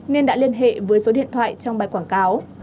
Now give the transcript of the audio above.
nên đã liên hệ với số điện thoại trong bài quảng cáo